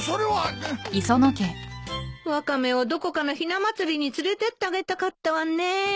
ワカメをどこかのひな祭りに連れてってあげたかったわねえ。